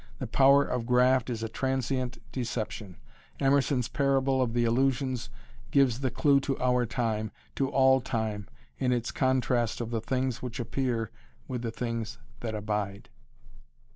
The power of graft is a transient deception. Emerson's parable of the illusions gives the clue to our time, to all time, in its contrast of the things which appear with the things that abide.